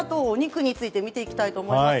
お魚とお肉について見ていきたいと思います。